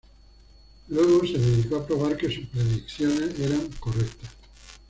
Luego se dedicó a probar que sus predicciones eran correctas".